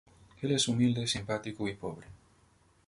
Él es humilde simpático y pobre.